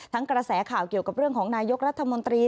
กระแสข่าวเกี่ยวกับเรื่องของนายกรัฐมนตรี